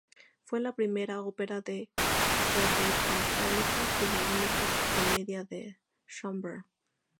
Fue la primera ópera dodecafónica, y la única comedia de Schönberg.